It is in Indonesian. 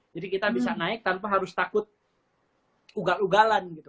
jadi kita bisa naik tanpa harus takut ugak ugalan gitu